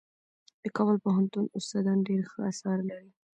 د کابل پوهنتون استادان ډېر ښه اثار لري.